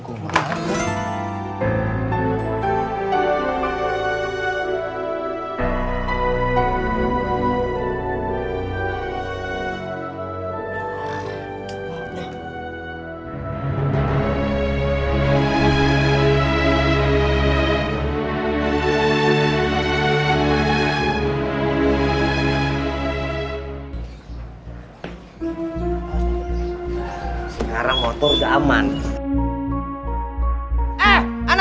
kau mau apa